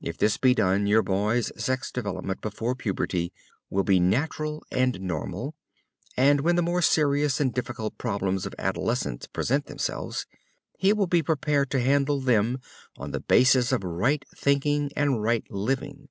If this be done, your boy's sex development before puberty will be natural and normal, and when the more serious and difficult problems of adolescence present themselves, he will be prepared to handle them on the basis of right thinking and right living.